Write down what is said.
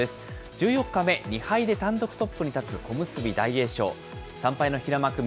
１４日目、２敗で単独トップに立つ小結・大栄翔、３敗の平幕・翠